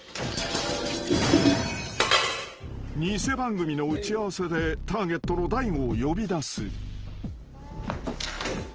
［偽番組の打ち合わせでターゲットの大悟を呼び出す］